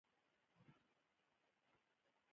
د طبیعي پیښو وزارت کله مرسته کوي؟